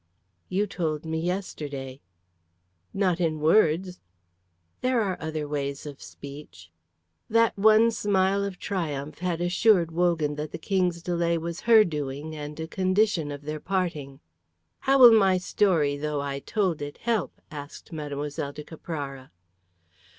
"You told me yesterday." "Not in words." "There are other ways of speech." That one smile of triumph had assured Wogan that the King's delay was her doing and a condition of their parting. "How will my story, though I told it, help?" asked Mlle. de Caprara.